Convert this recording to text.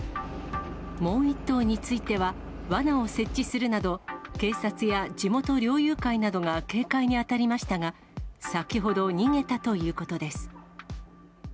もう１頭については、わなを設置するなど、警察や地元猟友会などが警戒に当たりましたが、先ほど逃げたということです。